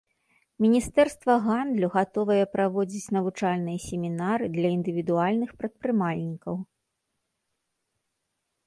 Міністэрства гандлю гатовае праводзіць навучальныя семінары для індывідуальных прадпрымальнікаў.